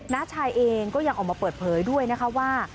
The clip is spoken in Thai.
น้าชายเองก็ยังออกมาเปิดเผยด้วยนะคะว่า